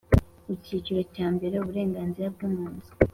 Icyiciro cya mbere Uburenganzira bw impunzi